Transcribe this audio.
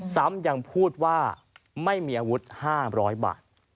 ซ้ำยังพูดว่าไม่มีอาวุธ๕๐๐บาท